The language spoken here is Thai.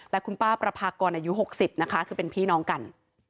และคุณป้าประพากรอายุ๖๐นะคะคือเป็นพี่น้องกัน